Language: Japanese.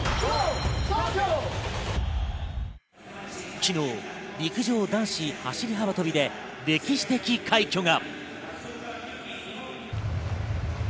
昨日、陸上男子走り幅跳びで歴史的快挙が。